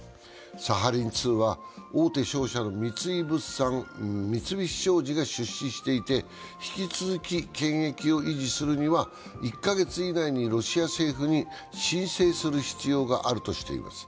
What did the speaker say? サハリン２は、大手商社の三井物産、三菱商事が出資していて引き続き権益を維持するには１カ月以内にロシア政府に申請する必要があるとしています。